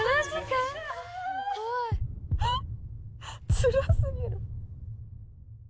つら過ぎる。